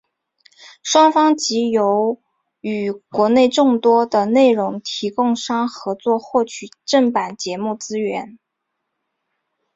双方藉由与国内众多的内容提供商合作获取正版节目资源。